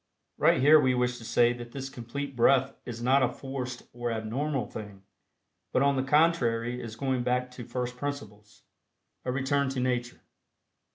Right here we wish to say that this Complete Breath is not a forced or abnormal thing, but on the contrary is a going back to first principles a return to Nature.